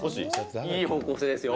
いい方向性ですよ。